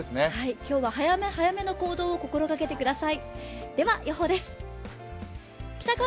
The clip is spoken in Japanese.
今日は早め早めの行動を心がけてください。